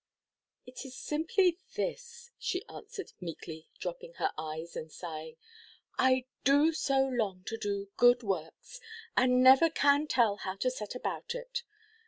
"It is simply this," she answered, meekly, dropping her eyes, and sighing; "I do so long to do good works, and never can tell how to set about it.